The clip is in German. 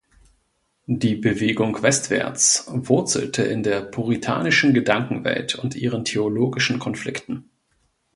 Die "Bewegung westwärts" wurzelte in der puritanischen Gedankenwelt und ihren theologischen Konflikten.